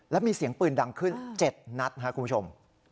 แล้วมีเสียงปืนดังขึ้นเจ็ดนัดฮะคุณผู้ชม